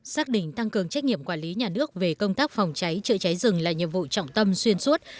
xác định tăng cường trách nhiệm quản lý nhà nước về công tác phòng cháy chữa cháy rừng là nhiệm vụ trọng tâm xuyên suốt